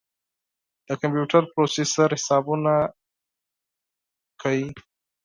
د کمپیوټر پروسیسر حسابونه اجرا کوي.